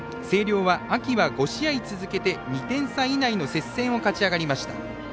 星稜は、秋は５試合続けて２点差以内の接戦を勝ち上がりました。